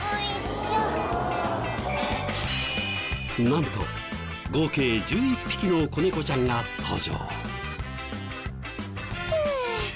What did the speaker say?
なんと合計１１匹の子猫ちゃんが登場。